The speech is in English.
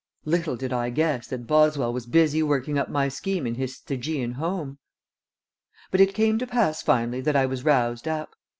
Little did I guess that Boswell was busy working up my scheme in his Stygian home! But it came to pass finally that I was roused up.